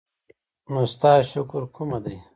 نو ستا شکر کومه دی؟